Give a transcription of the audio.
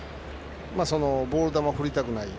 ボール球を振りたくない。